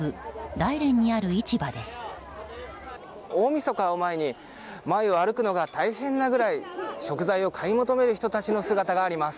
大みそかを前に前を歩くのが大変なぐらい食材を買い求める人たちの姿があります。